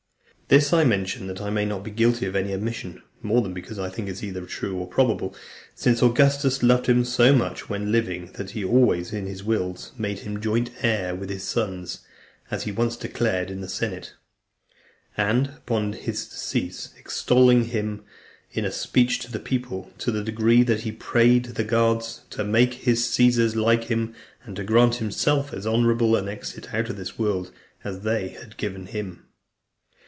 This I mention, that I may not be guilty of any omission, more than because I think it either true or probable; since Augustus loved him so much when living, that he always, in his wills, made him joint heir with his sons, as he once declared in the senate; and upon his decease, extolled him in a speech to the people, to that degree, that he prayed the gods "to make his Caesars like him, and to grant himself as honourable an exit out of this world as they had given him."